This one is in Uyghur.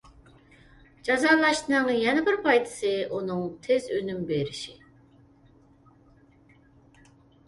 جازالاشنىڭ يەنە بىر پايدىسى ئۇنىڭ تىز ئۈنۈم بېرىشى.